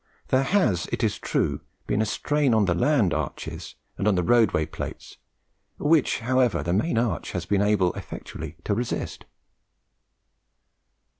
There has, it is true, been a strain on the land arches, and on the roadway plates, which, however, the main arch has been able effectually to resist."